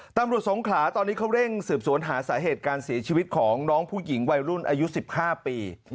สงขลาตอนนี้เขาเร่งสืบสวนหาสาเหตุการเสียชีวิตของน้องผู้หญิงวัยรุ่นอายุ๑๕ปี